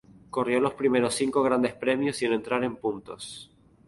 Corrió los primeros cinco Grandes Premios si entrar en puntos.